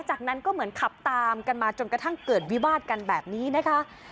จากนั้นก็เหมือนขับตามกันมาจนกระทั่งเกิดวิวาดกันแบบนี้นะคะ